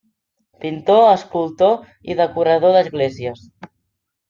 Pintor, escultor i decorador d'esglésies.